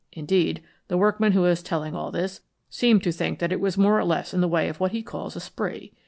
Indeed, the workman who is telling all this seemed to think that it was more or less in the way of what he calls a spree.